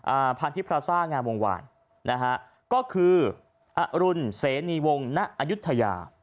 อ่าพันธิพราสาห์งานวงวาลนะฮะก็คืออรุณเสนียวงณอยุธยา